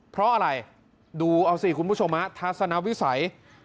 เพราะอะไรดูเอาสิคุณผู้ชมทัศนวิสัย